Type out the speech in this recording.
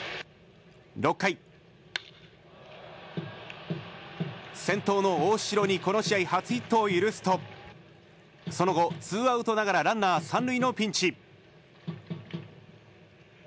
６回、先頭の大城にこの試合初ヒットを許すとその後、ツーアウトながらランナー３塁のピンチ。